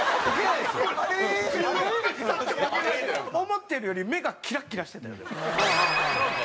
思ったより目がキラッキラしてたよでも。